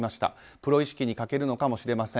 プロ意識に欠けるのかもしれません。